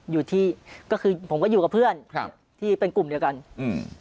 อยู่ที่ก็คือผมก็อยู่กับเพื่อนครับที่เป็นกลุ่มเดียวกันอืม